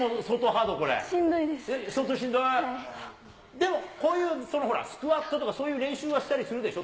でもこういうそのほら、スクワットとかそういう練習はしたりするでしょ？